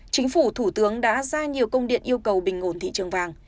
chính phủ thủ tướng đã ra nhiều công điện yêu cầu bình ngồn thị trường vàng